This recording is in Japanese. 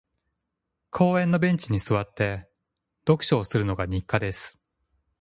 公園のベンチに座って、読書をするのが日課です。